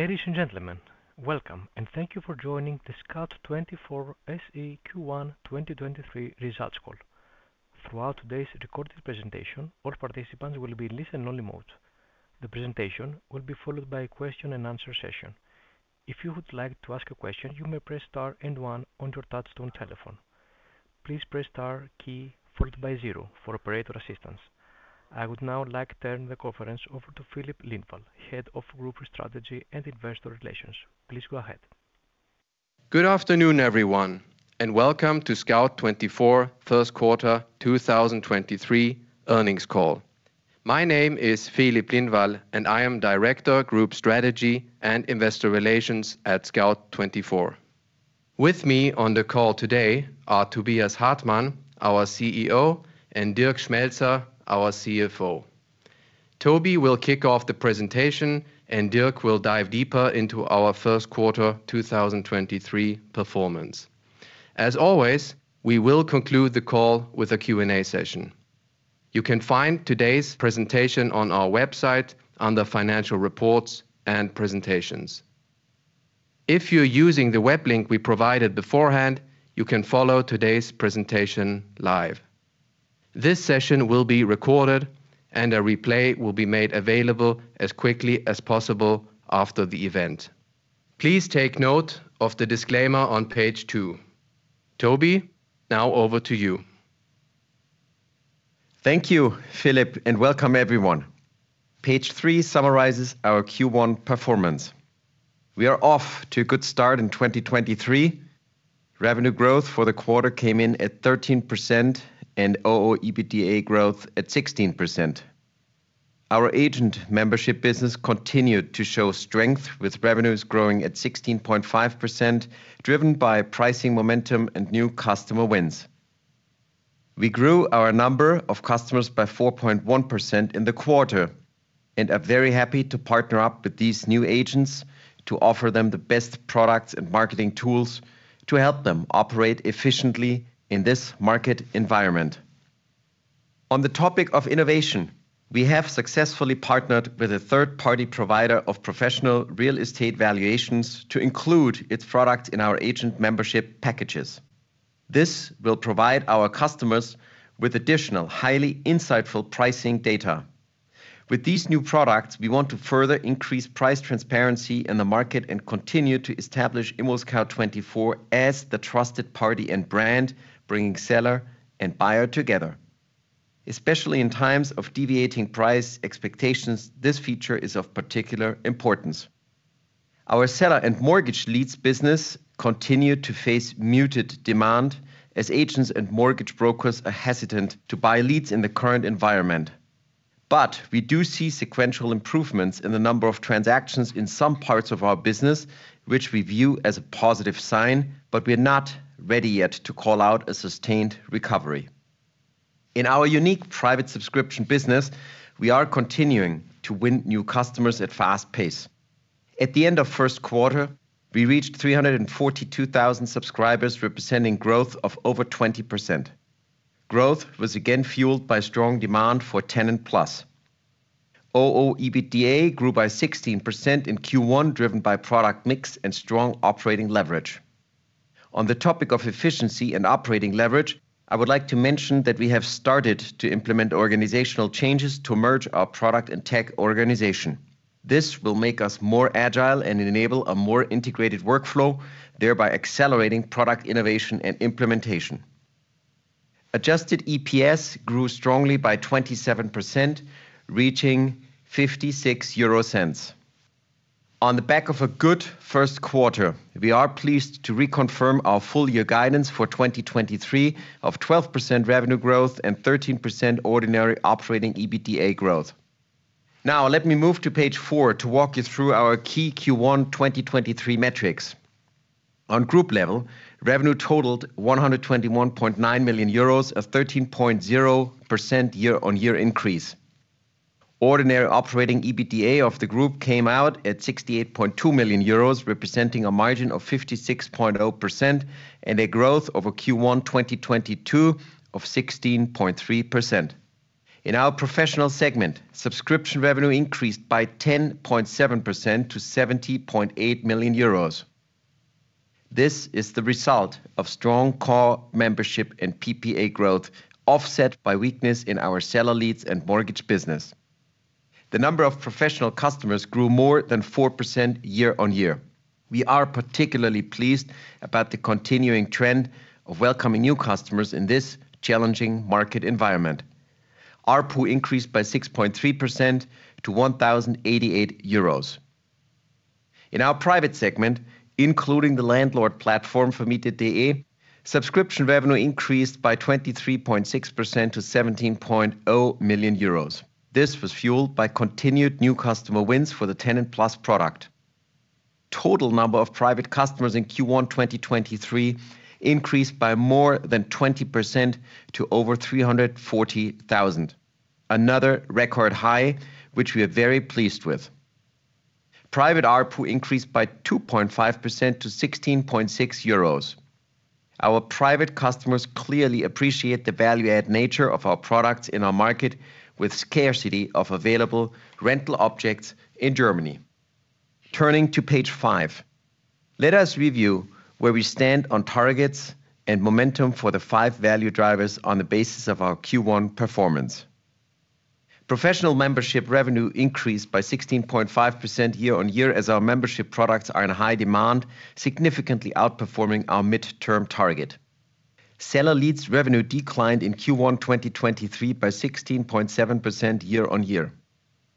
Ladies and gentlemen, welcome and thank you for joining the Scout24 SE Q1 2023 results call. Throughout today's recorded presentation, all participants will be in listen-only mode. The presentation will be followed by a question and answer session. If you would like to ask a question, you may press star and one on your touch-tone telephone. Please press star key followed by zero for operator assistance. I would now like turn the conference over to Filip Lindvall, Head of Group Strategy and Investor Relations. Please go ahead. Good afternoon, everyone. Welcome to Scout24 first quarter 2023 earnings call. My name is Filip Lindvall, and I am Director, Group Strategy and Investor Relations at Scout24. With me on the call today are Tobias Hartmann, our CEO, Dirk Schmelzer, our CFO. Toby will kick off the presentation. Dirk will dive deeper into our first quarter 2023 performance. As always, we will conclude the call with a Q&A session. You can find today's presentation on our website under financial reports and presentations. If you're using the web link we provided beforehand, you can follow today's presentation live. This session will be recorded. A replay will be made available as quickly as possible after the event. Please take note of the disclaimer on page two. Toby, now over to you. Thank you, Filip, and welcome everyone. Page three summarizes our Q1 performance. We are off to a good start in 2023. Revenue growth for the quarter came in at 13% and ooEBITDA growth at 16%. Our agent membership business continued to show strength with revenues growing at 16.5%, driven by pricing momentum and new customer wins. We grew our number of customers by 4.1% in the quarter and are very happy to partner up with these new agents to offer them the best products and marketing tools to help them operate efficiently in this market environment. On the topic of innovation, we have successfully partnered with a third-party provider of professional real estate valuations to include its product in our agent membership packages. This will provide our customers with additional, highly insightful pricing data. With these new products, we want to further increase price transparency in the market and continue to establish ImmoScout24 as the trusted party and brand, bringing seller and buyer together. Especially in times of deviating price expectations, this feature is of particular importance. Our seller and mortgage leads business continued to face muted demand as agents and mortgage brokers are hesitant to buy leads in the current environment. We do see sequential improvements in the number of transactions in some parts of our business, which we view as a positive sign, but we're not ready yet to call out a sustained recovery. In our unique private subscription business, we are continuing to win new customers at fast pace. At the end of first quarter, we reached 342,000 subscribers, representing growth of over 20%. Growth was again fueled by strong demand for TenantPlus. ooEBITDA grew by 16% in Q1, driven by product mix and strong operating leverage. On the topic of efficiency and operating leverage, I would like to mention that we have started to implement organizational changes to merge our product and tech organization. This will make us more agile and enable a more integrated workflow, thereby accelerating product innovation and implementation. Adjusted EPS grew strongly by 27%, reaching 0.56. On the back of a good first quarter, we are pleased to reconfirm our full year guidance for 2023 of 12% revenue growth and 13% ordinary operating EBITDA growth. Let me move to page four to walk you through our key Q1 2023 metrics. On group level, revenue totaled 121.9 million euros, a 13.0% year-on-year increase. Ordinary operating ooEBITDA of the group came out at 68.2 million euros, representing a margin of 56.0% and a growth over Q1 2022 of 16.3%. In our professional segment, subscription revenue increased by 10.7% to 70.8 million euros. This is the result of strong core membership and PPA growth offset by weakness in our seller leads and mortgage business. The number of professional customers grew more than 4% year-on-year. We are particularly pleased about the continuing trend of welcoming new customers in this challenging market environment. ARPU increased by 6.3% to 1,088 euros. In our private segment, including the landlord platform vermietet.de, subscription revenue increased by 23.6% to 17.0 million euros. This was fueled by continued new customer wins for the TenantPlus product. Total number of private customers in Q1 2023 increased by more than 20% to over 340,000. Another record high which we are very pleased with. Private ARPU increased by 2.5% to 16.6 euros. Our private customers clearly appreciate the value-add nature of our products in our market with scarcity of available rental objects in Germany. Turning to page five, let us review where we stand on targets and momentum for the five value drivers on the basis of our Q1 performance. Professional membership revenue increased by 16.5% year-on-year as our membership products are in high demand, significantly outperforming our midterm target. Seller leads revenue declined in Q1 2023 by 16.7% year-on-year.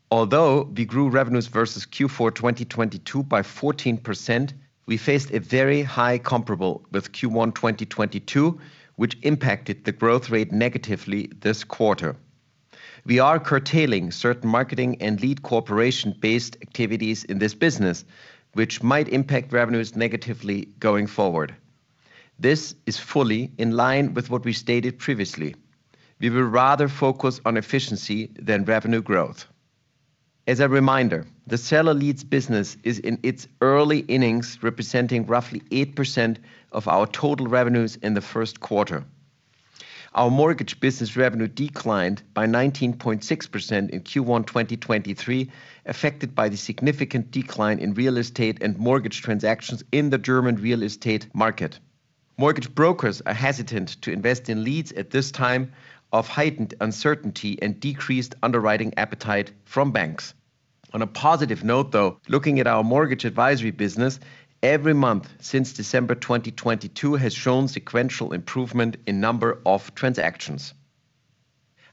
Although we grew revenues versus Q4 2022 by 14%, we faced a very high comparable with Q1 2022, which impacted the growth rate negatively this quarter. We are curtailing certain marketing and lead cooperation-based activities in this business, which might impact revenues negatively going forward. This is fully in line with what we stated previously. We will rather focus on efficiency than revenue growth. As a reminder, the seller leads business is in its early innings, representing roughly 8% of our total revenues in the first quarter. Our mortgage business revenue declined by 19.6% in Q1 2023, affected by the significant decline in real estate and mortgage transactions in the German real estate market. Mortgage brokers are hesitant to invest in leads at this time of heightened uncertainty and decreased underwriting appetite from banks. On a positive note, though, looking at our mortgage advisory business every month since December 2022 has shown sequential improvement in number of transactions.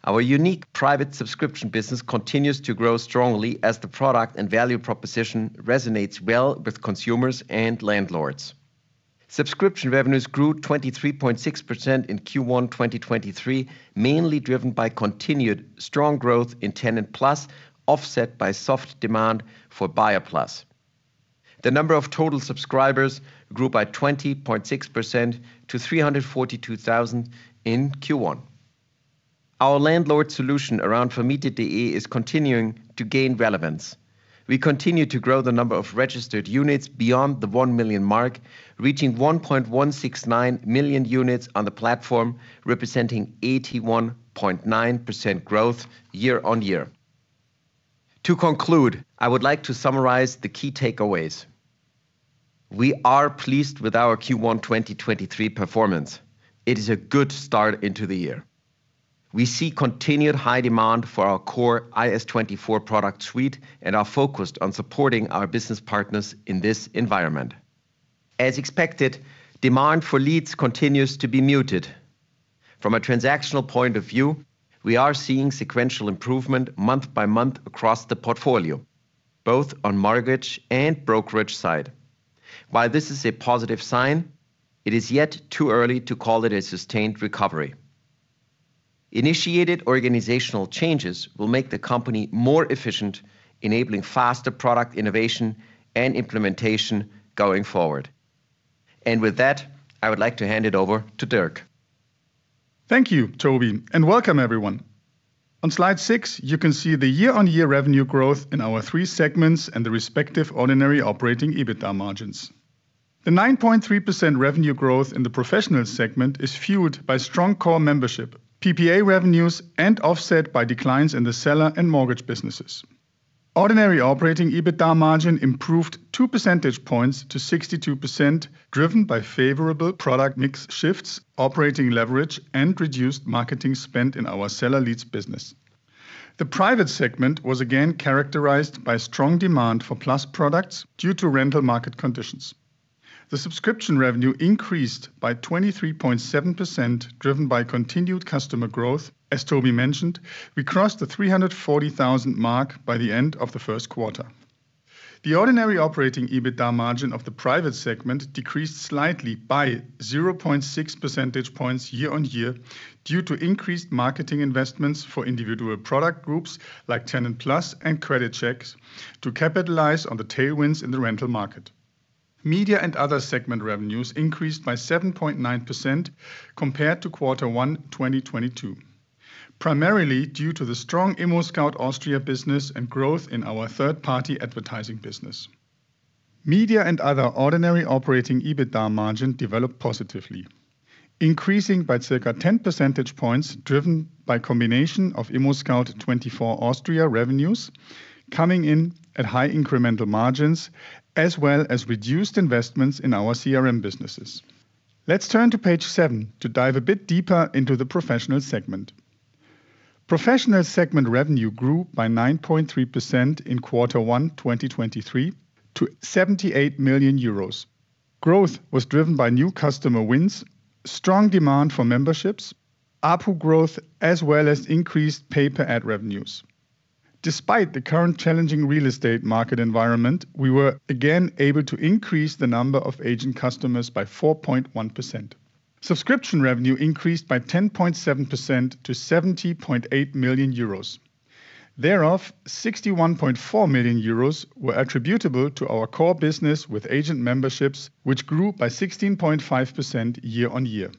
Our unique private subscription business continues to grow strongly as the product and value proposition resonates well with consumers and landlords. Subscription revenues grew 23.6% in Q1 2023, mainly driven by continued strong growth in TenantPlus, offset by soft demand for BuyerPlus. The number of total subscribers grew by 20.6% to 342,000 in Q1. Our landlord solution around vermietet.de is continuing to gain relevance. We continue to grow the number of registered units beyond the 1 million mark, reaching 1.169 million units on the platform, representing 81.9% growth year-on-year. To conclude, I would like to summarize the key takeaways. We are pleased with our Q1 2023 performance. It is a good start into the year. We see continued high demand for our core IS 24 product suite and are focused on supporting our business partners in this environment. As expected, demand for leads continues to be muted. From a transactional point of view, we are seeing sequential improvement month by month across the portfolio, both on mortgage and brokerage side. While this is a positive sign, it is yet too early to call it a sustained recovery. Initiated organizational changes will make the company more efficient, enabling faster product innovation and implementation going forward. With that, I would like to hand it over to Dirk. Thank you, Toby. Welcome everyone. On slide six, you can see the year-over-year revenue growth in our three segments and the respective ordinary operating EBITDA margins. The 9.3% revenue growth in the professional segment is fueled by strong core membership, PPA revenues, and offset by declines in the seller and mortgage businesses. Ordinary operating EBITDA margin improved 2 percentage points to 62%, driven by favorable product mix shifts, operating leverage, and reduced marketing spend in our seller leads business. The private segment was again characterized by strong demand for plus products due to rental market conditions. The subscription revenue increased by 23.7%, driven by continued customer growth. As Toby mentioned, we crossed the 340,000 mark by the end of the first quarter. The ordinary operating EBITDA margin of the private segment decreased slightly by 0.6 percentage points year-over-year due to increased marketing investments for individual product groups like TenantPlus and credit checks to capitalize on the tailwinds in the rental market. Media and other segment revenues increased by 7.9% compared to quarter one, 2022, primarily due to the strong ImmoScout Austria business and growth in our third-party advertising business. Media and other ordinary operating EBITDA margin developed positively, increasing by circa 10 percentage points, driven by combination of ImmoScout24 Austria revenues coming in at high incremental margins as well as reduced investments in our CRM businesses. Let's turn to page seven to dive a bit deeper into the professional segment. Professional segment revenue grew by 9.3% in quarter one, 2023 to 78 million euros. Growth was driven by new customer wins, strong demand for memberships, ARPU growth, as well as increased pay per ad revenues. Despite the current challenging real estate market environment, we were again able to increase the number of agent customers by 4.1%. Subscription revenue increased by 10.7% to 70.8 million euros. Thereof, 61.4 million euros were attributable to our core business with agent memberships, which grew by 16.5% year on year.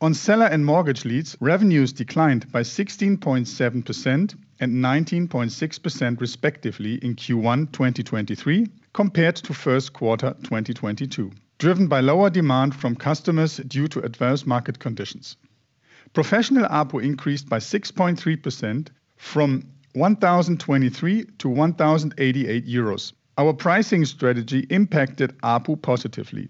On seller and mortgage leads, revenues declined by 16.7% and 19.6% respectively in Q1 2023 compared to first quarter 2022, driven by lower demand from customers due to adverse market conditions. Professional ARPU increased by 6.3% from 1,023 to 1,088 euros. Our pricing strategy impacted ARPU positively,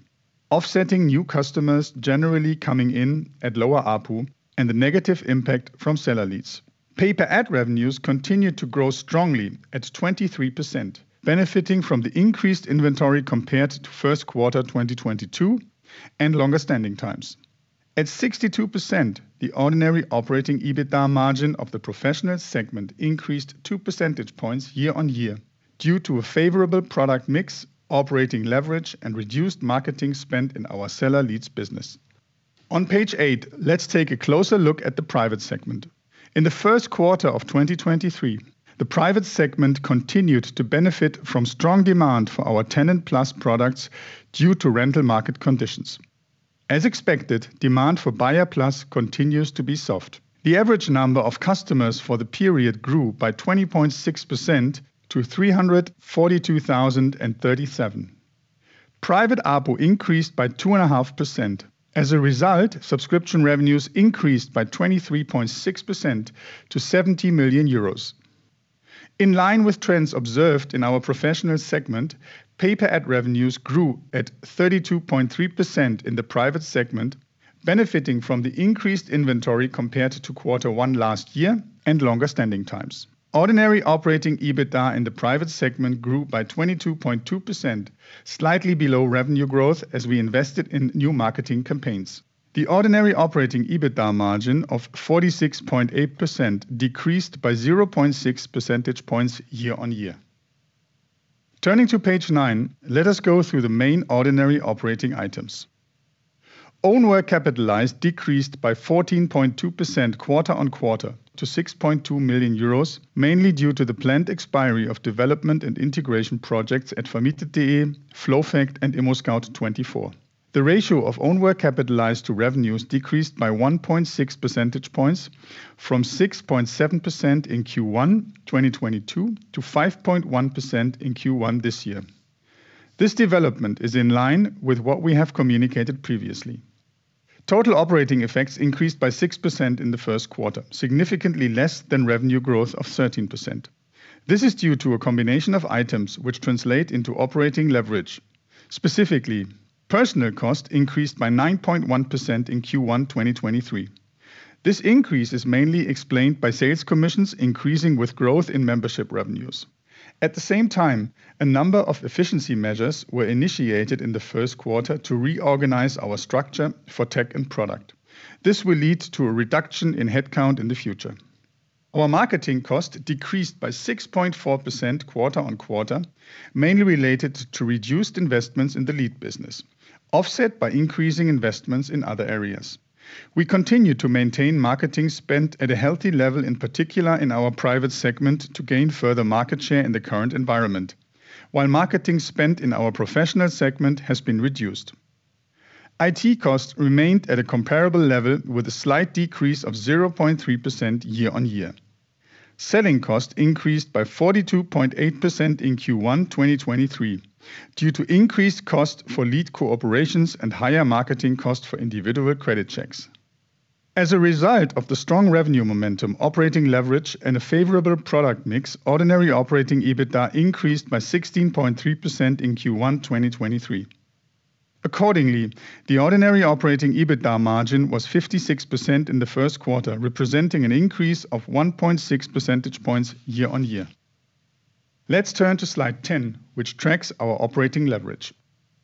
offsetting new customers generally coming in at lower ARPU and the negative impact from seller leads. Pay-per-ad revenues continued to grow strongly at 23%, benefiting from the increased inventory compared to first quarter 2022 and longer standing times. At 62%, the ordinary operating EBITDA margin of the professional segment increased 2 percentage points year-on-year due to a favorable product mix, operating leverage, and reduced marketing spend in our seller leads business. On page eight, let's take a closer look at the private segment. In the first quarter of 2023, the private segment continued to benefit from strong demand for our TenantPlus products due to rental market conditions. As expected, demand for BuyerPlus continues to be soft. The average number of customers for the period grew by 20.6% to 342,037. Private ARPU increased by 2.5%. Result, subscription revenues increased by 23.6% to 70 million euros. In line with trends observed in our professional segment, pay-per-ad revenues grew at 32.3% in the private segment, benefiting from the increased inventory compared to quarter one last year and longer standing times. Ordinary operating EBITDA in the private segment grew by 22.2%, slightly below revenue growth as we invested in new marketing campaigns. The ordinary operating EBITDA margin of 46.8% decreased by 0.6 percentage points year-on-year. Turning to page nine, let us go through the main ordinary operating items. Own work capitalized decreased by 14.2% quarter-on-quarter to 6.2 million euros, mainly due to the planned expiry of development and integration projects at vermietet.de, FLOWFACT, and ImmoScout24. The ratio of own work capitalized to revenues decreased by 1.6 percentage points from 6.7% in Q1 2022 to 5.1% in Q1 this year. This development is in line with what we have communicated previously. Total operating effects increased by 6% in the first quarter, significantly less than revenue growth of 13%. This is due to a combination of items which translate into operating leverage. Specifically, personal cost increased by 9.1% in Q1 2023. This increase is mainly explained by sales commissions increasing with growth in membership revenues. A number of efficiency measures were initiated in the first quarter to reorganize our structure for tech and product. This will lead to a reduction in headcount in the future. Our marketing costs decreased by 6.4% quarter-over-quarter, mainly related to reduced investments in the lead business, offset by increasing investments in other areas. We continue to maintain marketing spend at a healthy level, in particular in our private segment, to gain further market share in the current environment. Marketing spend in our professional segment has been reduced. IT costs remained at a comparable level with a slight decrease of 0.3% year-over-year. Selling costs increased by 42.8% in Q1 2023 due to increased costs for lead cooperations and higher marketing costs for individual credit checks. A result of the strong revenue momentum, operating leverage and a favorable product mix, ordinary operating EBITDA increased by 16.3% in Q1 2023. Accordingly, the ordinary operating EBITDA margin was 56% in the first quarter, representing an increase of 1.6 percentage points year-on-year. Let's turn to slide 10, which tracks our operating leverage.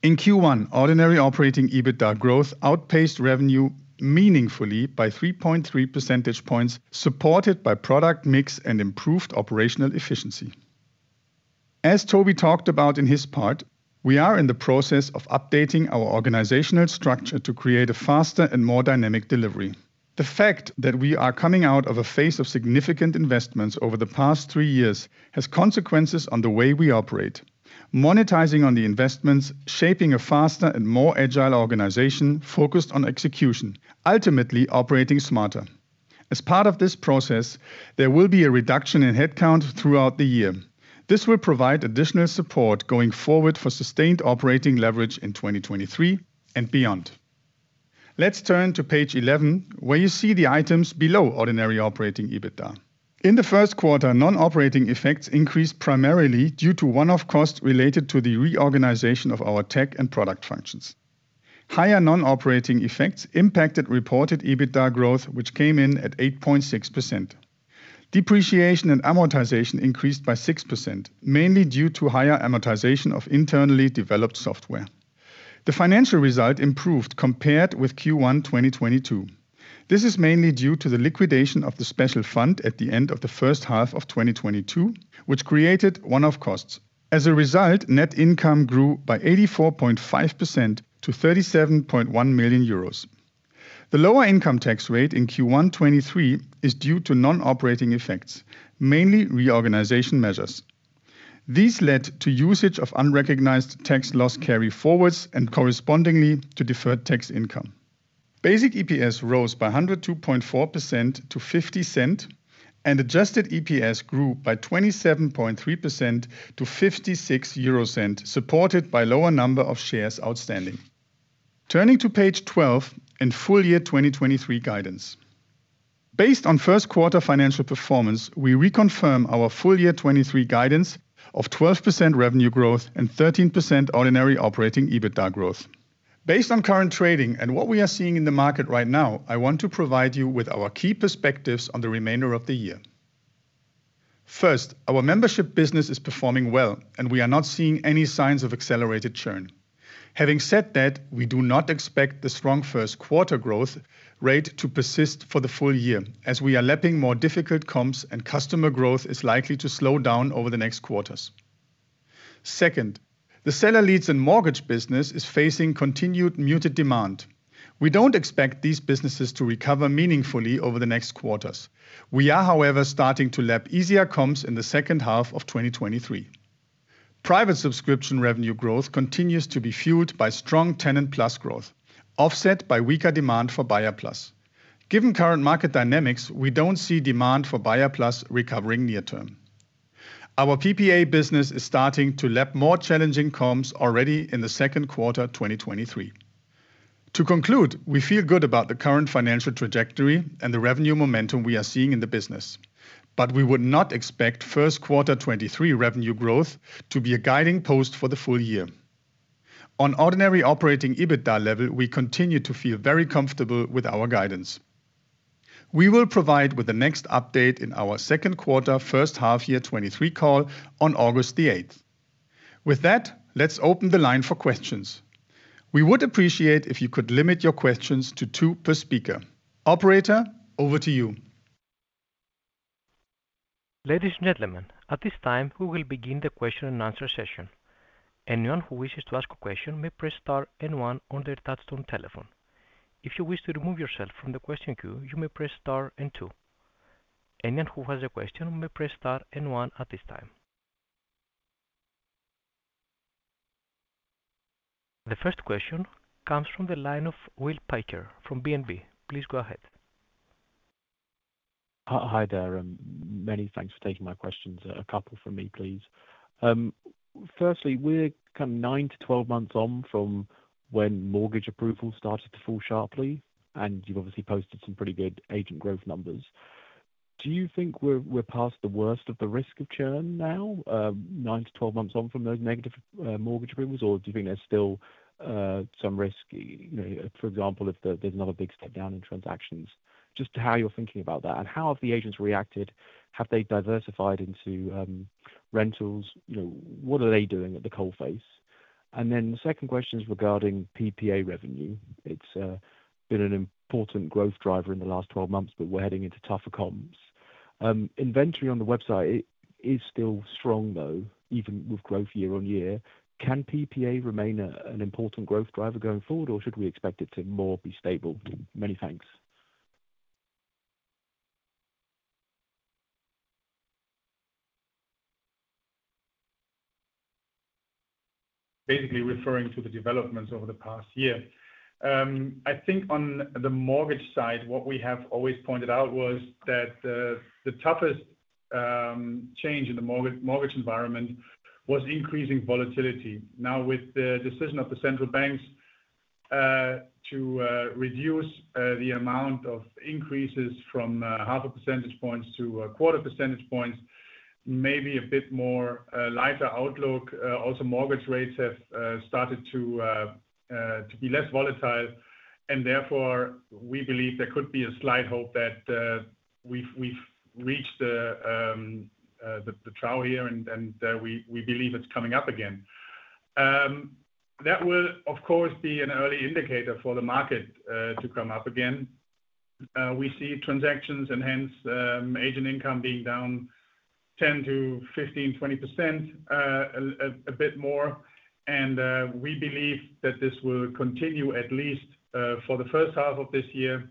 In Q1, ordinary operating EBITDA growth outpaced revenue meaningfully by 3.3 percentage points, supported by product mix and improved operational efficiency. As Toby talked about in his part, we are in the process of updating our organizational structure to create a faster and more dynamic delivery. The fact that we are coming out of a phase of significant investments over the past three years has consequences on the way we operate. Monetizing on the investments, shaping a faster and more agile organization focused on execution, ultimately operating smarter. As part of this process, there will be a reduction in headcount throughout the year. This will provide additional support going forward for sustained operating leverage in 2023 and beyond. Let's turn to page 11, where you see the items below ordinary operating EBITDA. In the first quarter, non-operating effects increased primarily due to one-off costs related to the reorganization of our tech and product functions. Higher non-operating effects impacted reported EBITDA growth, which came in at 8.6%. Depreciation and amortization increased by 6%, mainly due to higher amortization of internally developed software. The financial result improved compared with Q1 2022. This is mainly due to the liquidation of the special fund at the end of the first half of 2022, which created one-off costs. As a result, net income grew by 84.5% to 37.1 million euros. The lower income tax rate in Q1 2023 is due to non-operating effects, mainly reorganization measures. These led to usage of unrecognized tax loss carryforwards and correspondingly to deferred tax income. Basic EPS rose by 102.4% to 0.50, and adjusted EPS grew by 27.3% to EUR 0.56, supported by lower number of shares outstanding. Turning to page 12 and full year 2023 guidance. Based on first quarter financial performance, we reconfirm our full year 2023 guidance of 12% revenue growth and 13% ordinary operating EBITDA growth. Based on current trading and what we are seeing in the market right now, I want to provide you with our key perspectives on the remainder of the year. Our membership business is performing well, and we are not seeing any signs of accelerated churn. Having said that, we do not expect the strong first quarter growth rate to persist for the full year, as we are lapping more difficult comps and customer growth is likely to slow down over the next quarters. The seller leads and mortgage business is facing continued muted demand. We don't expect these businesses to recover meaningfully over the next quarters. We are, however, starting to lap easier comps in the second half of 2023. Private subscription revenue growth continues to be fueled by strong TenantPlus growth, offset by weaker demand for BuyerPlus. Given current market dynamics, we don't see demand for BuyerPlus recovering near term. Our PPA business is starting to lap more challenging comps already in the second quarter 2023. To conclude, we feel good about the current financial trajectory and the revenue momentum we are seeing in the business. We would not expect first quarter 2023 revenue growth to be a guiding post for the full year. On ordinary operating EBITDA level, we continue to feel very comfortable with our guidance. We will provide with the next update in our second quarter first half year 2023 call on August 8. With that, let's open the line for questions. We would appreciate if you could limit your questions to two per speaker. Operator, over to you. Ladies and gentlemen, at this time, we will begin the question-and-answer session. Anyone who wishes to ask a question may press star and one on their touch-tone telephone. If you wish to remove yourself from the question queue, you may press star and two. Anyone who has a question may press star and one at this time. The first question comes from the line of Will Packer from BNP. Please go ahead. Hi there, many thanks for taking my questions. A couple from me, please. Firstly, we're come 9-12 months on from when mortgage approvals started to fall sharply, you've obviously posted some pretty good agent growth numbers. Do you think we're past the worst of the risk of churn now, 9-12 months on from those negative mortgage approvals? Do you think there's still some risk, you know, for example, if there's another big step down in transactions? Just how you're thinking about that and how have the agents reacted? Have they diversified into rentals? You know, what are they doing at the coal face? The second question is regarding PPA revenue. It's been an important growth driver in the last 12 months, we're heading into tougher comps. inventory on the website is still strong, though, even with growth year-on-year. Can PPA remain an important growth driver going forward, or should we expect it to more be stable? Many thanks. Basically referring to the developments over the past year. I think on the mortgage side, what we have always pointed out was that the toughest change in the mortgage environment was increasing volatility. Now with the decision of the central banks to reduce the amount of increases from half a percentage point to a quarter percentage point, maybe a bit more lighter outlook. Also mortgage rates have started to be less volatile and therefore we believe there could be a slight hope that we've reached the trough here and we believe it's coming up again. That will of course be an early indicator for the market to come up again. We see transactions and hence agent income being down 10% to 15%, 20%, a bit more, we believe that this will continue at least for the first half of this year.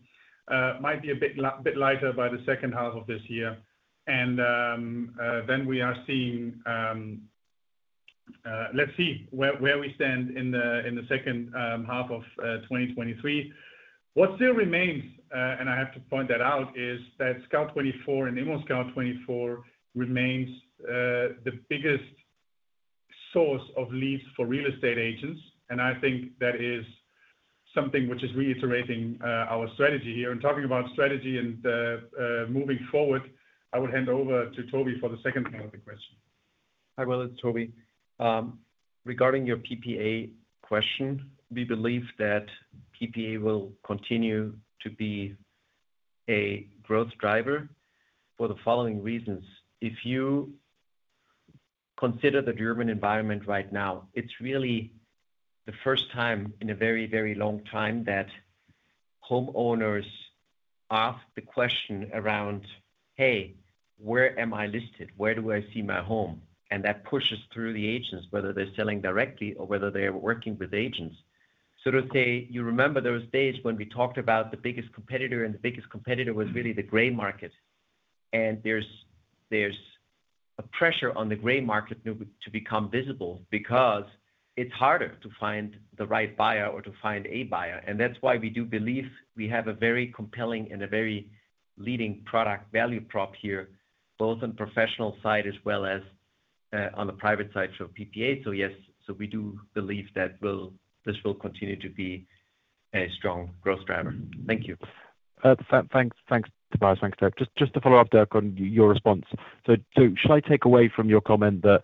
Might be a bit lighter by the second half of this year. Then we are seeing, let's see where we stand in the second half of 2023. What still remains, and I have to point that out, is that Scout24 and ImmoScout24 remains the biggest source of leads for real estate agents. I think that is something which is reiterating our strategy here. Talking about strategy and moving forward, I would hand over to Toby for the second part of the question. Hi, Will. It's Toby. Regarding your PPA question, we believe that PPA will continue to be a growth driver for the following reasons. If you consider the German environment right now, it's really the first time in a very, very long time that homeowners ask the question around, "Hey, where am I listed? Where do I see my home?" That pushes through the agents, whether they're selling directly or whether they're working with agents. To say, you remember those days when we talked about the biggest competitor, the biggest competitor was really the gray market. There's a pressure on the gray market to become visible because it's harder to find the right buyer or to find a buyer. That's why we do believe we have a very compelling and a very leading product value prop here, both on professional side as well as on the private side, so PPA. Yes. We do believe this will continue to be a strong growth driver. Thank you. Thanks, Tobias. Thanks, Dirk. Just to follow up, Dirk, on your response. Should I take away from your comment that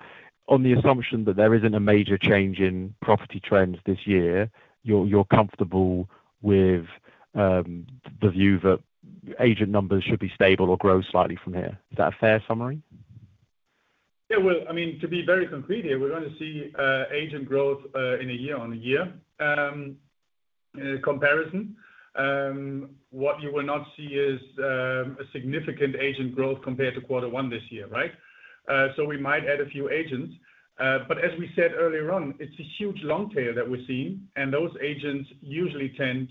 on the assumption that there isn't a major change in property trends this year, you're comfortable with the view that agent numbers should be stable or grow slightly from here? Is that a fair summary? Well, I mean, to be very concrete here, we're gonna see agent growth in a year-on-year comparison. What you will not see is a significant agent growth compared to quarter one this year, right? We might add a few agents. As we said earlier on, it's a huge long tail that we're seeing, and those agents usually tend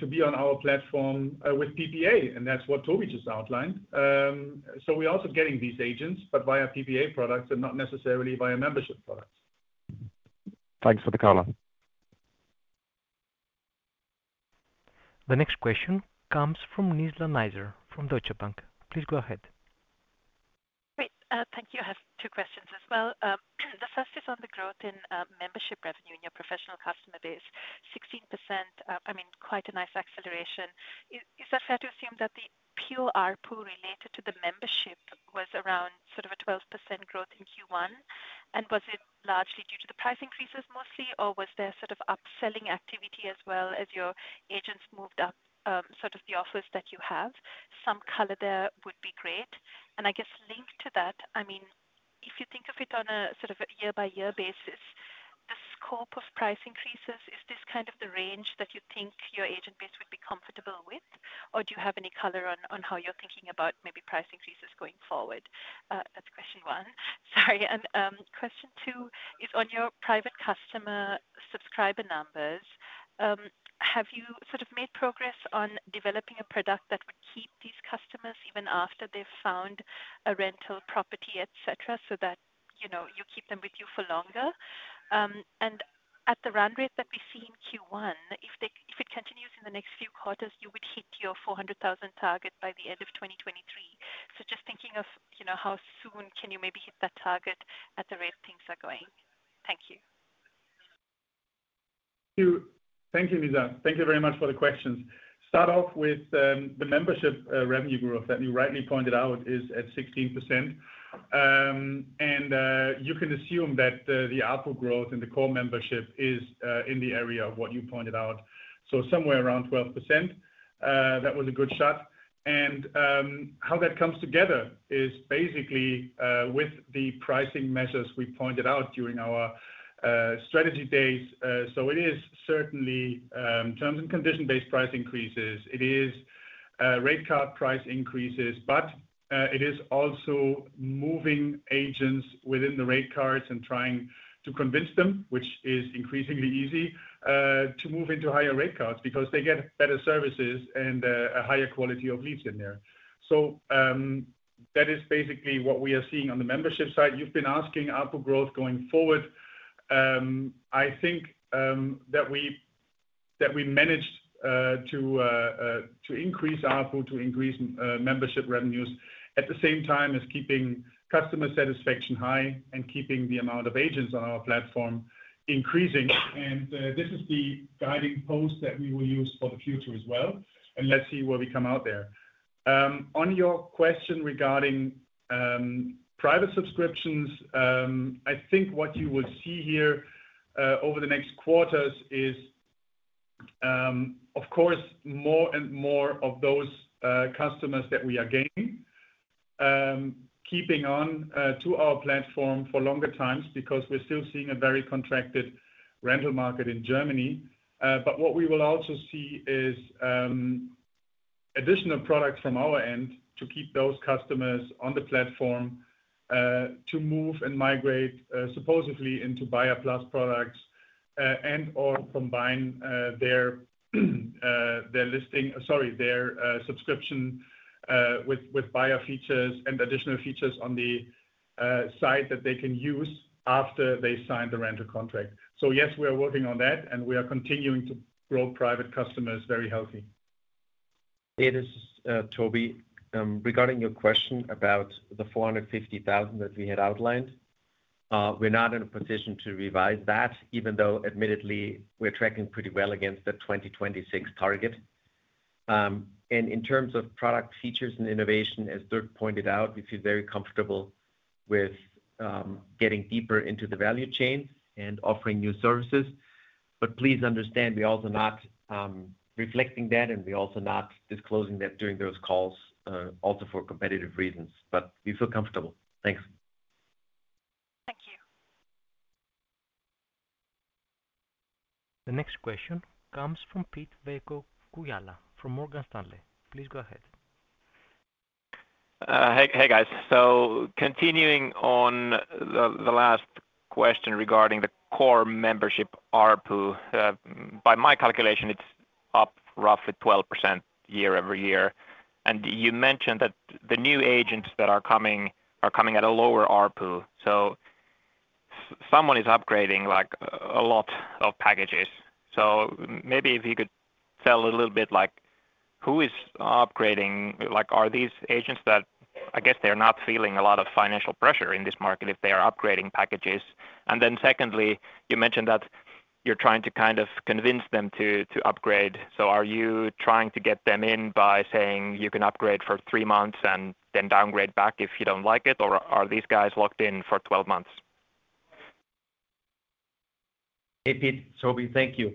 to be on our platform with PPA, and that's what Toby just outlined. We're also getting these agents, but via PPA products and not necessarily via membership products. Thanks for the color. The next question comes from Nizla Naizer from Deutsche Bank. Please go ahead. Great. Thank you. I have two questions as well. The first is on the growth in membership revenue in your professional customer base. 16%, I mean, quite a nice acceleration. Is that fair to assume that the pure ARPU related to the membership was around sort of a 12% growth in Q1? Was it largely due to the price increases mostly, or was there sort of upselling activity as well as your agents moved up, sort of the offers that you have? Some color there would be great. I guess linked to that, I mean, if you think of it on a sort of a year-by-year basis, the scope of price increases, is this kind of the range that you think your agent base would be comfortable with? Or do you have any color on how you're thinking about maybe price increases going forward? That's question one. Sorry. Question two is on your private customer subscriber numbers. Have you sort of made progress on developing a product that would keep these customers even after they've found a rental property, et cetera, so that, you know, you keep them with you for longer? At the run rate that we see in Q1, if it continues in the next few quarters, you would hit your 400,000 target by the end of 2023. Just thinking of, you know, how soon can you maybe hit that target at the rate things are going. Thank you. Thank you. Thank you, Nizla. Thank you very much for the questions. Start off with the membership revenue growth that you rightly pointed out is at 16%. You can assume that the ARPU growth and the core membership is in the area of what you pointed out, so somewhere around 12%. That was a good shot. How that comes together is basically with the pricing measures we pointed out during our strategy days. It is certainly terms and condition-based price increases. It is rate card price increases, but it is also moving agents within the rate cards and trying to convince them, which is increasingly easy, to move into higher rate cards because they get better services and a higher quality of leads in there. That is basically what we are seeing on the membership side. You've been asking ARPU growth going forward. I think that we managed to increase ARPU, to increase membership revenues at the same time as keeping customer satisfaction high and keeping the amount of agents on our platform increasing. This is the guiding post that we will use for the future as well. Let's see where we come out there. On your question regarding private subscriptions, I think what you will see here over the next quarters is, of course, more and more of those customers that we are gaining keeping on to our platform for longer times because we're still seeing a very contracted rental market in Germany. What we will also see is additional products from our end to keep those customers on the platform, to move and migrate supposedly into BuyerPlus products, and/or combine their subscription with buyer features and additional features on the site that they can use after they sign the rental contract. Yes, we are working on that, and we are continuing to grow private customers very healthy. It is Toby. Regarding your question about the 450,000 that we had outlined, we're not in a position to revise that, even though admittedly, we're tracking pretty well against the 2026 target. In terms of product features and innovation, as Dirk pointed out, we feel very comfortable with getting deeper into the value chain and offering new services. Please understand, we're also not reflecting that, and we're also not disclosing that during those calls, also for competitive reasons. We feel comfortable. Thanks. Thank you. The next question comes from Pete-Veikko Kujala from Morgan Stanley. Please go ahead. Hey guys. Continuing on the last question regarding the core membership ARPU. By my calculation, it's up roughly 12% year-over-year. You mentioned that the new agents that are coming are coming at a lower ARPU. Someone is upgrading like a lot of packages. Maybe if you could tell a little bit like who is upgrading? Like, are these agents that, I guess, they're not feeling a lot of financial pressure in this market if they are upgrading packages. Secondly, you mentioned that you're trying to kind of convince them to upgrade. Are you trying to get them in by saying you can upgrade for three months and then downgrade back if you don't like it? Or are these guys locked in for 12 months? Hey, Pete. Toby, thank you.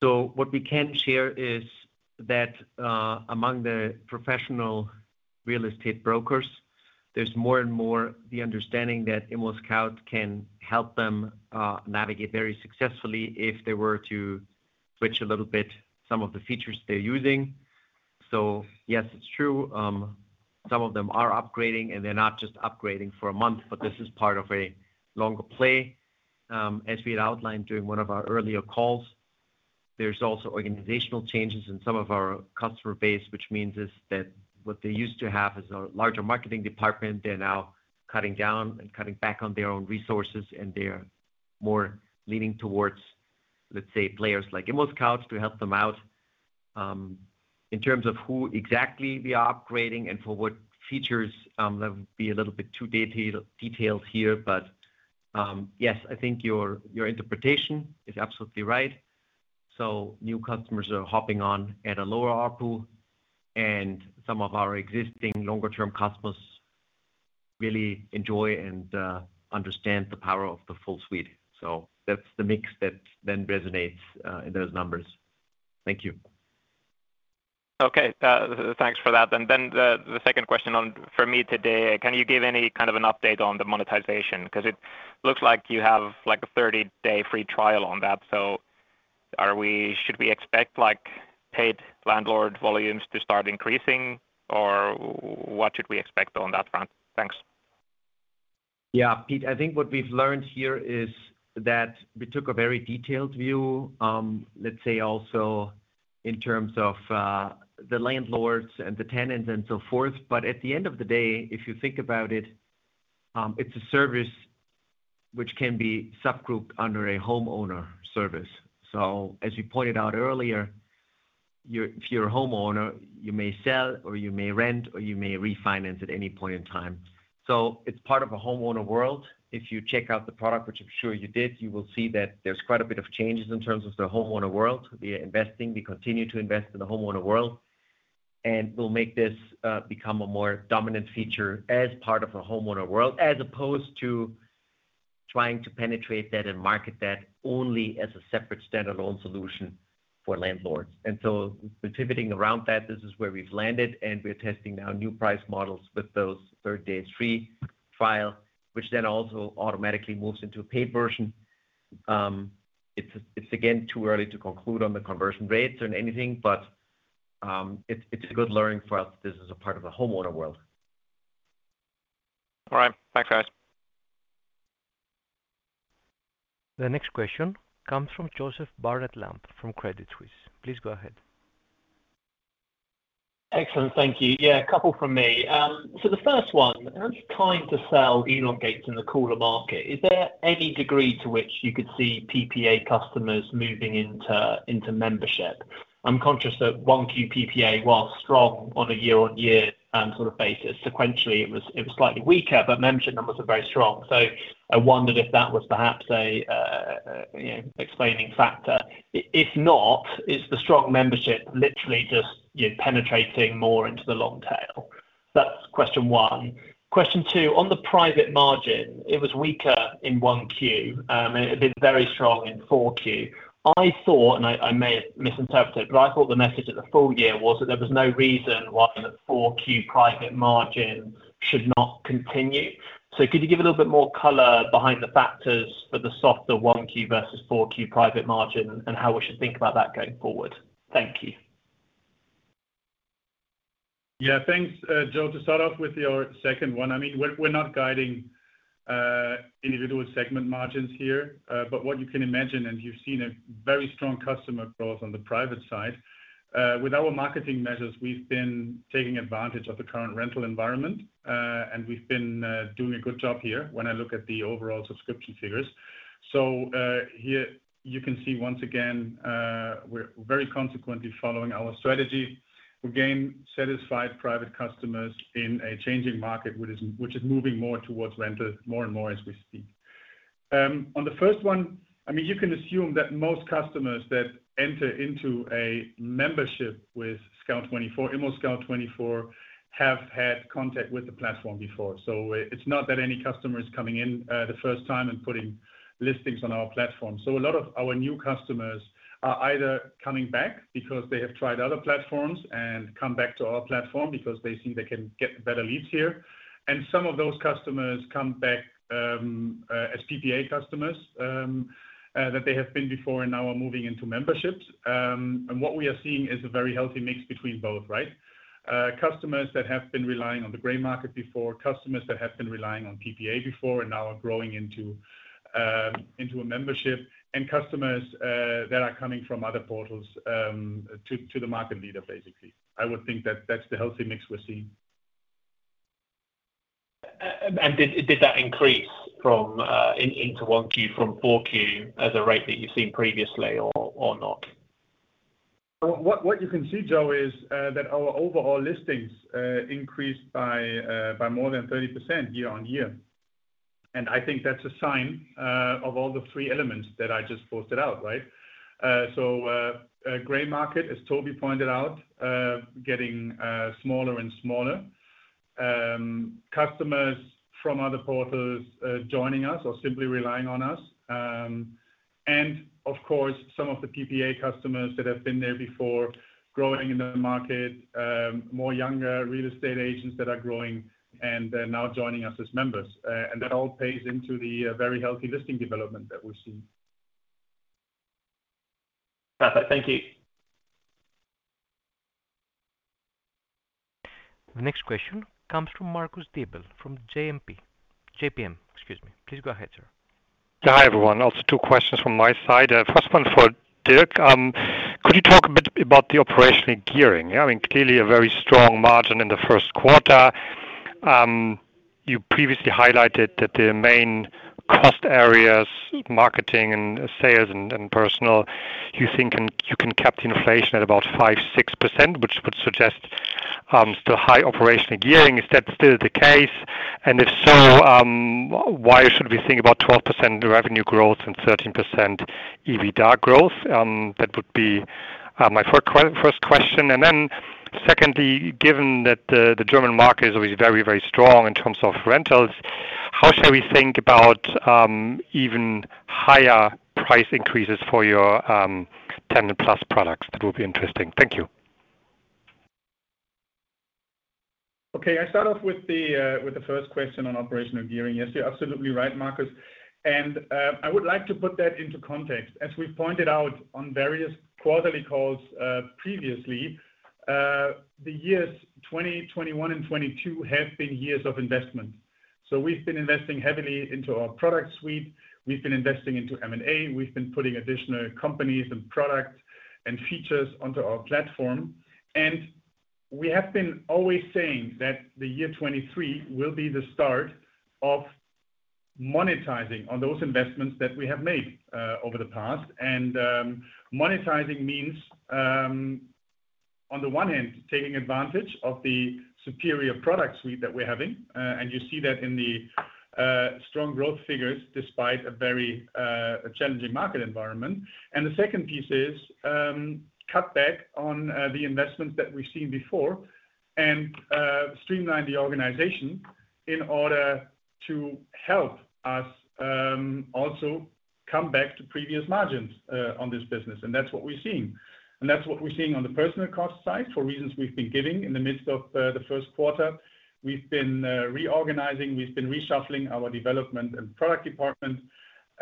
What we can share is that among the professional real estate brokers, there's more and more the understanding that ImmoScout can help them navigate very successfully if they were to switch a little bit some of the features they're using. Yes, it's true. Some of them are upgrading, and they're not just upgrading for a month, but this is part of a longer play. As we had outlined during one of our earlier calls. There's also organizational changes in some of our customer base, which means is that what they used to have is a larger marketing department. They're now cutting down and cutting back on their own resources, and they're more leaning towards, let's say, players like ImmoScout to help them out. In terms of who exactly we are upgrading and for what features, that would be a little bit too details here. Yes, I think your interpretation is absolutely right. New customers are hopping on at a lower ARPU, and some of our existing longer term customers really enjoy and understand the power of the full suite. That's the mix that then resonates in those numbers. Thank you. Okay. Thanks for that. The second question on... For me today, can you give any kind of an update on the monetization? 'Cause it looks like you have like a 30-day free trial on that. Should we expect like paid landlord volumes to start increasing, or what should we expect on that front? Thanks. Yeah, Pete, I think what we've learned here is that we took a very detailed view, let's say also in terms of the landlords and the tenants and so forth. At the end of the day, if you think about it's a service which can be subgrouped under a homeowner service. As you pointed out earlier, if you're a homeowner, you may sell or you may rent or you may refinance at any point in time. It's part of a homeowner world. If you check out the product, which I'm sure you did, you will see that there's quite a bit of changes in terms of the homeowner world. We are investing, we continue to invest in the homeowner world, we'll make this become a more dominant feature as part of a homeowner world, as opposed to trying to penetrate that and market that only as a separate stand-alone solution for landlords. So we're pivoting around that. This is where we've landed, we're testing now new price models with those 30-days free trial, which then also automatically moves into a paid version. It's, it's again, too early to conclude on the conversion rates and anything, but it's a good learning for us. This is a part of a homeowner world. All right. Thanks, guys. The next question comes from Joseph Barnet-Lamb from Credit Suisse. Please go ahead. Excellent. Thank you. The first one, as you're trying to sell FLOWFACT in the cooler market, is there any degree to which you could see PPA customers moving into membership? I'm conscious that 1Q PPA, while strong on a year-on-year basis, sequentially it was slightly weaker. Membership numbers are very strong. I wondered if that was perhaps a, you know, explaining factor. If not, is the strong membership literally just, you know, penetrating more into the long tail? That's question one. Question two, on the private margin, it was weaker in 1Q. It had been very strong in 4Q. I thought, and I may have misinterpreted, but I thought the message at the full year was that there was no reason why the 4Q private margin should not continue. Could you give a little bit more color behind the factors for the softer 1Q versus 4Q private margin and how we should think about that going forward? Thank you. Thanks, Joe. To start off with your second one, I mean, we're not guiding individual segment margins here. What you can imagine, you've seen a very strong customer growth on the private side. With our marketing measures, we've been taking advantage of the current rental environment. We've been doing a good job here when I look at the overall subscription figures. Here you can see once again, we're very consequently following our strategy to gain satisfied private customers in a changing market, which is moving more towards renters more and more as we speak. On the first one, I mean, you can assume that most customers that enter into a membership with Scout24, ImmoScout24 have had contact with the platform before. It's not that any customer is coming in, the first time and putting listings on our platform. A lot of our new customers are either coming back because they have tried other platforms and come back to our platform because they see they can get better leads here. Some of those customers come back as PPA customers that they have been before and now are moving into memberships. What we are seeing is a very healthy mix between both, right? Customers that have been relying on the gray market before, customers that have been relying on PPA before and now are growing into a membership. Customers that are coming from other portals to the market leader, basically. I would think that that's the healthy mix we're seeing. Did that increase from into 1Q from 4Q as a rate that you've seen previously or not? What you can see, Joe, is that our overall listings increased by more than 30% year on year. I think that's a sign of all the three elements that I just posted out, right. A gray market, as Toby pointed out, getting smaller and smaller. Customers from other portals, joining us or simply relying on us. Of course, some of the PPA customers that have been there before growing in the market, more younger real estate agents that are growing and they're now joining us as members. That all pays into the very healthy listing development that we've seen. Perfect. Thank you. The next question comes from Marcus Diebel, from JPM, excuse me. Please go ahead, sir. Yeah. Hi, everyone. Also two questions from my side. First one for Dirk. Could you talk a bit about the operational gearing? Yeah, I mean, clearly a very strong margin in the first quarter. You previously highlighted that the main cost areas, marketing and sales and personal, you think you can cap the inflation at about 5%, 6%, which would suggest still high operational gearing. Is that still the case? If so, why should we think about 12% revenue growth and 13% EBITDA growth? That would be my first question. Secondly, given that the German market is always very strong in terms of rentals, how should we think about even higher price increases for your TenantPlus products? That would be interesting. Thank you. Okay. I start off with the first question on operational gearing. Yes, you're absolutely right, Marcus. I would like to put that into context. As we pointed out on various quarterly calls, previously, the years 2020, 2021 and 2022 have been years of investment. We've been investing heavily into our product suite. We've been investing into M&A. We've been putting additional companies and products and features onto our platform. We have been always saying that the year 2023 will be the start of monetizing on those investments that we have made over the past. Monetizing means on the one hand, taking advantage of the superior product suite that we're having. You see that in the strong growth figures despite a very challenging market environment. The second piece is cut back on the investment that we've seen before and streamline the organization in order to help us also come back to previous margins on this business. That's what we're seeing. That's what we're seeing on the personal cost side, for reasons we've been giving in the midst of the first quarter. We've been reorganizing, we've been reshuffling our development and product department.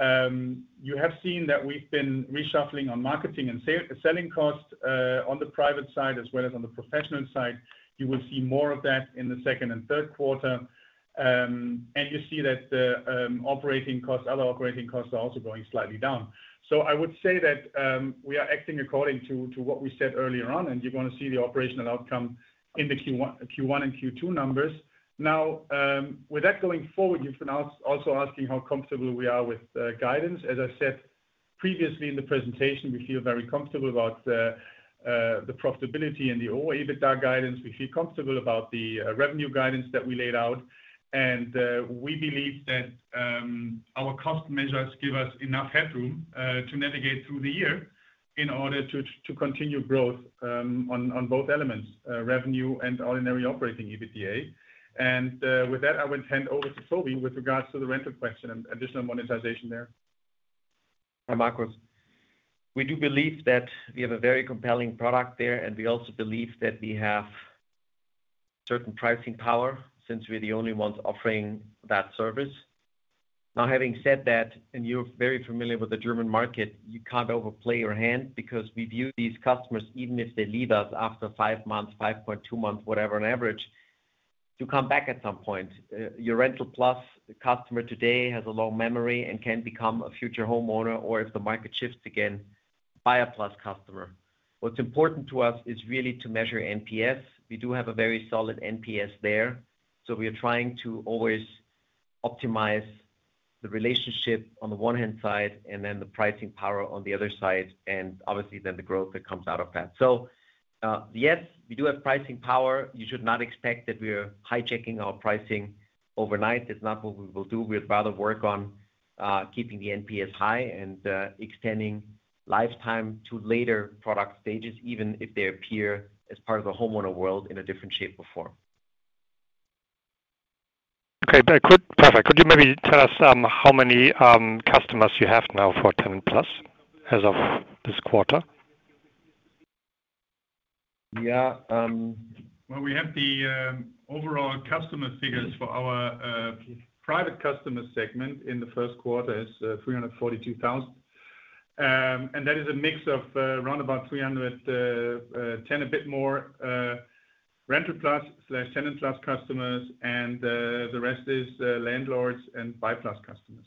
You have seen that we've been reshuffling on marketing and selling costs on the private side as well as on the professional side. You will see more of that in the second and third quarter. You see that the operating costs, other operating costs are also going slightly down. I would say that we are acting according to what we said earlier on, and you're gonna see the operational outcome in the Q1 and Q2 numbers. With that going forward, you've been also asking how comfortable we are with guidance. As I said previously in the presentation, we feel very comfortable about the profitability and the O EBITDA guidance. We feel comfortable about the revenue guidance that we laid out. We believe that our cost measures give us enough headroom to navigate through the year in order to continue growth on both elements, revenue and ordinary operating EBITDA. With that, I would hand over to Toby with regards to the rental question and additional monetization there. Hi, Marcus. We do believe that we have a very compelling product there, and we also believe that we have certain pricing power since we're the only ones offering that service. Having said that, and you're very familiar with the German market, you can't overplay your hand because we view these customers, even if they leave us after five months, five point two months, whatever on average, to come back at some point. Your RentalPlus customer today has a low memory and can become a future homeowner or if the market shifts again, BuyerPlus customer. What's important to us is really to measure NPS. We do have a very solid NPS there. We are trying to always optimize the relationship on the one hand side and then the pricing power on the other side, and obviously then the growth that comes out of that. Yes, we do have pricing power. You should not expect that we're hijacking our pricing overnight. It's not what we will do. We'd rather work on keeping the NPS high and extending lifetime to later product stages, even if they appear as part of the homeowner world in a different shape or form. Okay. Perfect. Could you maybe tell us, how many customers you have now for TenantPlus as of this quarter? Yeah, We have the overall customer figures for our private customer segment in the first quarter is 342,000. That is a mix of around about 310 a bit more RentalPlus/TenantPlus customers, the rest is landlords and BuyerPlus customers.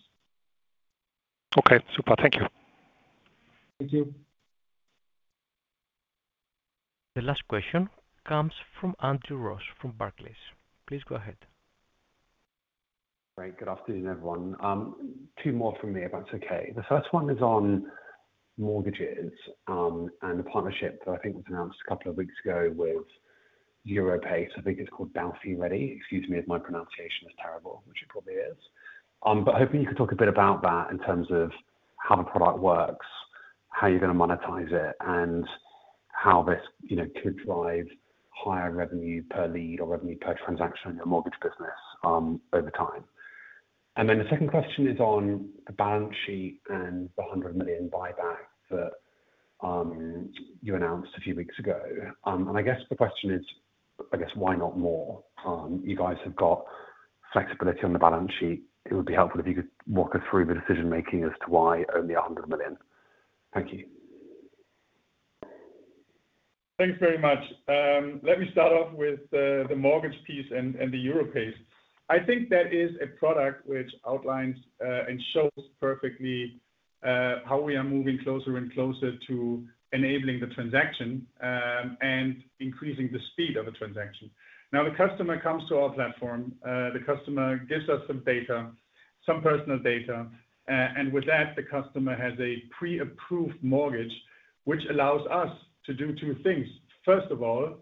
Okay. Super. Thank you. Thank you. The last question comes from Andrew Ross from Barclays. Please go ahead. Great. Good afternoon, everyone. Two more from me, if that's okay. The first one is on mortgages, and the partnership that I think was announced a couple of weeks ago with Europace. I think it's called BauFi Ready. Excuse me if my pronunciation is terrible, which it probably is. Hoping you could talk a bit about that in terms of how the product works, how you're gonna monetize it, and how this, you know, could drive higher revenue per lead or revenue per transaction in your mortgage business over time. The second question is on the balance sheet and the 100 million buyback that you announced a few weeks ago. I guess the question is, I guess why not more? You guys have got flexibility on the balance sheet. It would be helpful if you could walk us through the decision-making as to why only 100 million. Thank you. Thanks very much. Let me start off with the mortgage piece and the Europace. I think that is a product which outlines and shows perfectly how we are moving closer and closer to enabling the transaction and increasing the speed of a transaction. The customer comes to our platform, the customer gives us some data, some personal data, and with that, the customer has a pre-approved mortgage, which allows us to do two things. First of all,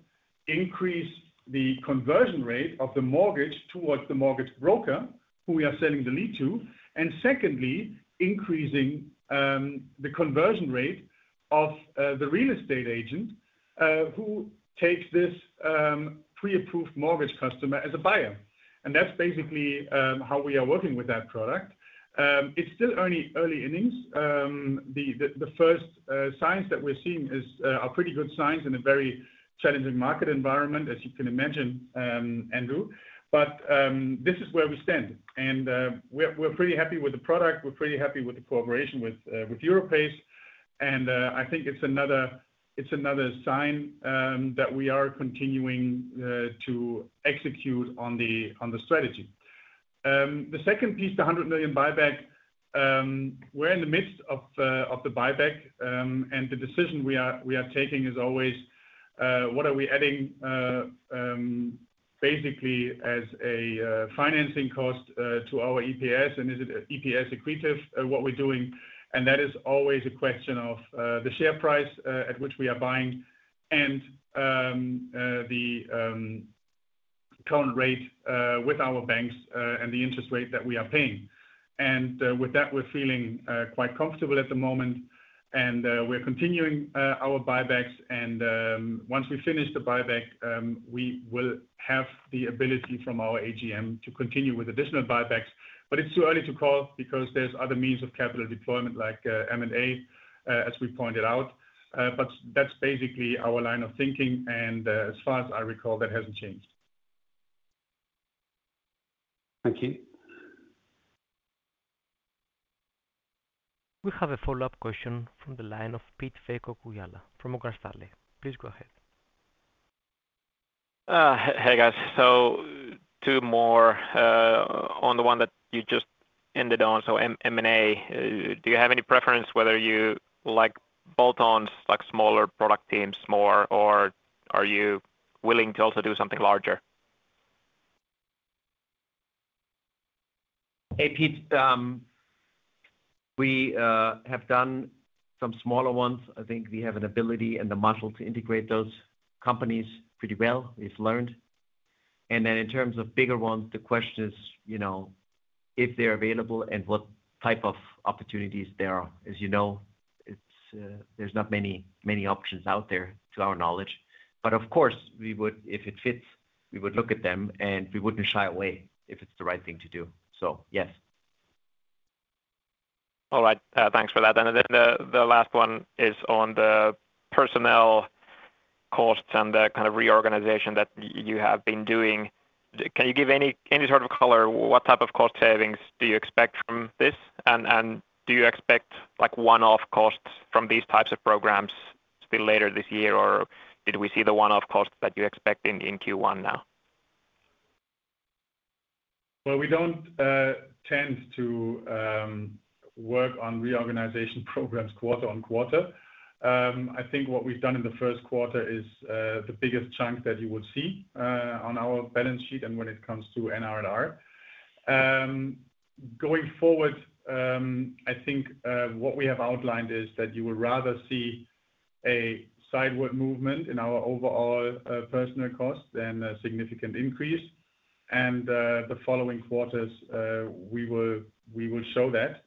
increase the conversion rate of the mortgage towards the mortgage broker who we are sending the lead to, and secondly, increasing the conversion rate of the real estate agent who takes this pre-approved mortgage customer as a buyer. That's basically how we are working with that product. It's still only early innings. The first signs that we're seeing are pretty good signs in a very challenging market environment, as you can imagine, Andrew. This is where we stand and we're pretty happy with the product. We're pretty happy with the cooperation with Europace. I think it's another, it's another sign that we are continuing to execute on the strategy. The second piece, the 100 million buyback. We're in the midst of the buyback. The decision we are taking is always what are we adding basically as a financing cost to our EPS? Is it EPS accretive what we're doing? That is always a question of the share price at which we are buying and the current rate with our banks and the interest rate that we are paying. With that, we're feeling quite comfortable at the moment. We are continuing our buybacks and once we finish the buyback, we will have the ability from our AGM to continue with additional buybacks. It's too early to call because there's other means of capital deployment like M&A as we pointed out. That's basically our line of thinking, and as far as I recall, that hasn't changed. Thank you. We have a follow-up question from the line of Pete-Veikko Kujala from Morgan Stanley. Please go ahead. Hey, guys. Two more, on the one that you just ended on. M&A. Do you have any preference whether you like bolt-ons, like smaller product teams more, or are you willing to also do something larger? Hey, Pete. We have done some smaller ones. I think we have an ability and the muscle to integrate those companies pretty well. We've learned. In terms of bigger ones, the question is, you know, if they're available and what type of opportunities there are. As you know, it's, there's not many options out there to our knowledge. Of course, we would. If it fits, we would look at them and we wouldn't shy away if it's the right thing to do. Yes. All right. Thanks for that. The last one is on the personnel costs and the kind of reorganization that you have been doing. Can you give any sort of color? What type of cost savings do you expect from this? Do you expect like one-off costs from these types of programs to be later this year, or did we see the one-off costs that you expect in Q1 now? Well, we don't tend to work on reorganization programs quarter on quarter. I think what we've done in the first quarter is the biggest chunk that you would see on our balance sheet and when it comes to NRR. Going forward, I think what we have outlined is that you would rather see a sideward movement in our overall personal costs than a significant increase. The following quarters, we will show that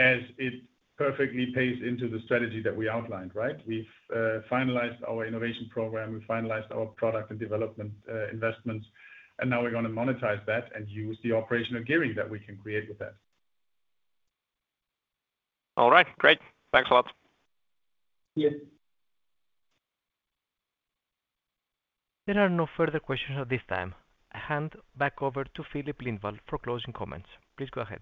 as it perfectly pays into the strategy that we outlined, right? We've finalized our innovation program. We've finalized our product and development investments, and now we're gonna monetize that and use the operational gearing that we can create with that. All right. Great. Thanks a lot. Yeah. There are no further questions at this time. I hand back over to Filip Lindvall for closing comments. Please go ahead.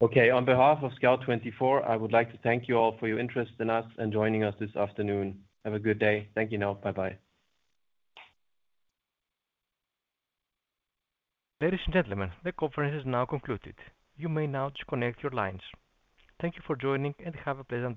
Okay. On behalf of Scout24, I would like to thank you all for your interest in us and joining us this afternoon. Have a good day. Thank you now. Bye-bye. Ladies and gentlemen, the conference is now concluded. You may now disconnect your lines. Thank you for joining and have a pleasant day.